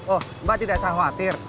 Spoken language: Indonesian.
oh mbak tidak usah khawatir